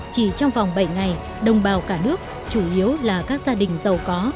chỉ trong vòng bảy ngày đồng bào cả nước chủ yếu là các gia đình giàu có